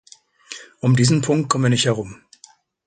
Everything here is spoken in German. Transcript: Um diesen Punkt kommen wir nicht herum.